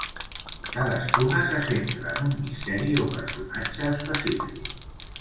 Cadascuna se centra en un misteri o personatge específic.